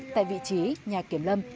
tại vị trí nhà kiểm lâm